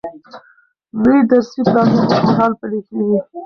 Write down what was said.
نوي درسي پلانونه اوس مهال پلي کیږي.